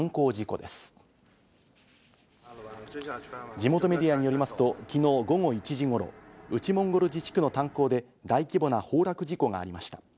地元メディアによりますと、昨日午後１時頃、内モンゴル自治区の炭鉱で大規模な崩落事故がありました。